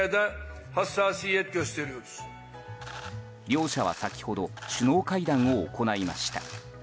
両者は先ほど首脳会談を行いました。